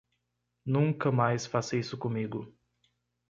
Nunca mais faça isso comigo.